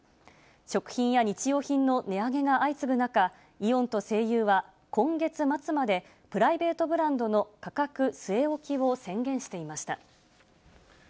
食品や日用品の値上げが相次ぐ中、イオンと西友は、今月末までプライベートブランドの価格据え置きを宣言していました。